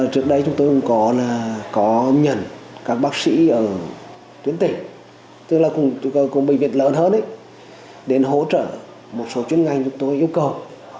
trước đây chúng tôi cũng có là có nhận các bác sĩ ở tuyến tỉnh tức là cùng bệnh viện lớn hơn đến hỗ trợ một số chuyên ngành chúng tôi yêu cầu